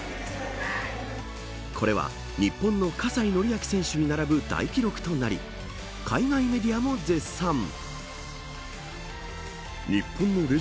これは日本の葛西紀明選手に並ぶ大記録となり海外メディアも絶賛。